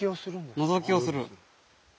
のぞきをする。